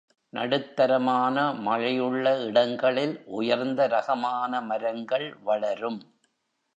நடுத்தரமான மழையுள்ள இடங்களில் உயர்ந்த ரகமான மரங்கள் வளரும்.